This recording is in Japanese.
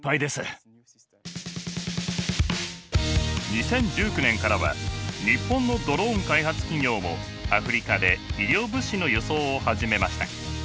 ２０１９年からは日本のドローン開発企業もアフリカで医療物資の輸送を始めました。